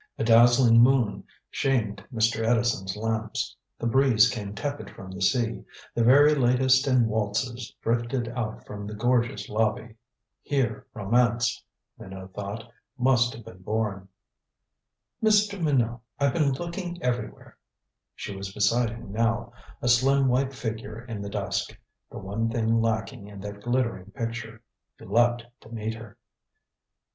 A dazzling moon shamed Mr. Edison's lamps, the breeze came tepid from the sea, the very latest in waltzes drifted out from the gorgeous lobby. Here romance, Minot thought, must have been born. "Mr. Minot I've been looking everywhere " She was beside him now, a slim white figure in the dusk the one thing lacking in that glittering picture. He leaped to meet her.